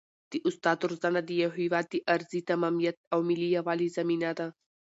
د استاد روزنه د یو هېواد د ارضي تمامیت او ملي یووالي ضامنه ده.